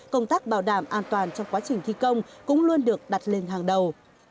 công tác bảo đảm an toàn trong quá trình thi công cũng luôn được đặt lên hàng đầu